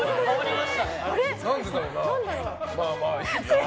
まあまあ。